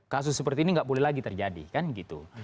kasus seperti ini nggak boleh lagi terjadi kan gitu